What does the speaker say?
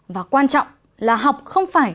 và quan trọng là học không phải